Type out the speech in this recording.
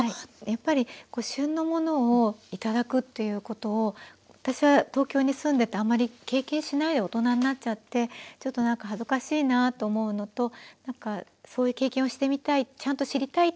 やっぱり旬のものを頂くっていうことを私は東京に住んでてあんまり経験しない大人になっちゃってちょっとなんか恥ずかしいなぁと思うのとそういう経験をしてみたいちゃんと知りたいっていう思いがあったんですね。